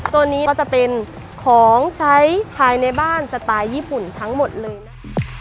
ตัวนี้ก็จะเป็นของใช้ภายในบ้านสไตล์ญี่ปุ่นทั้งหมดเลยนะคะ